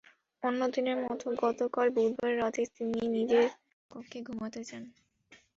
অন্য দিনের মতো গতকাল বুধবার রাতে তিনি নিজের কক্ষে ঘুমাতে যান।